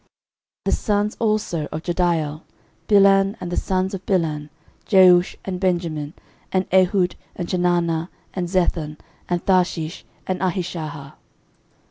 13:007:010 The sons also of Jediael; Bilhan: and the sons of Bilhan; Jeush, and Benjamin, and Ehud, and Chenaanah, and Zethan, and Tharshish, and Ahishahar.